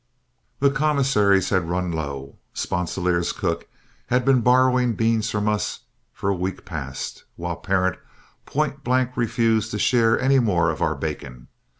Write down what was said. The commissaries had run low; Sponsilier's cook had been borrowing beans from us for a week past, while Parent point blank refused to share any more of our bacon.